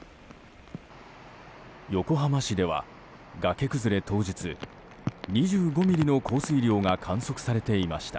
横浜市では、崖崩れ当日２５ミリの降水量が観測されていました。